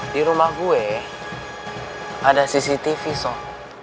di rumah gue ada cctv sok